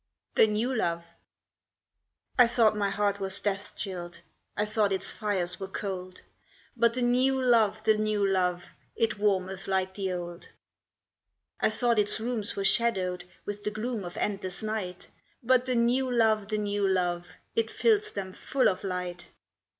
THE NEW LOVE I thought my heart was death chilled, I thought its fires were cold; But the new love, the new love, It warmeth like the old. I thought its rooms were shadowed With the gloom of endless night; But the new love, the new love, It fills them full of light.